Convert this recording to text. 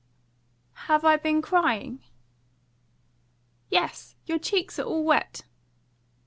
"Have I been crying?" "Yes! Your cheeks are all wet!"